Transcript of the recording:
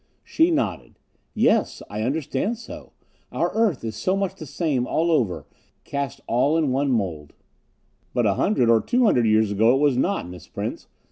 She nodded. "Yes, I understand so. Our Earth is so much the same all over, cast all in one mould." "But a hundred or two hundred years ago it was not, Miss Prince.